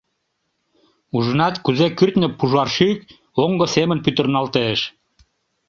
Ужынат, кузе кӱртньӧ пужаршӱк оҥго семын пӱтырналтеш?